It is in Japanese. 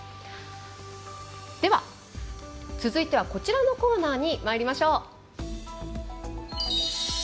では、続いてはこちらのコーナーにまいりましょう。